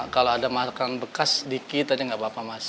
kalau ada makanan bekas sedikit tadi nggak apa apa mas